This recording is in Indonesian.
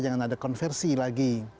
jangan ada konversi lagi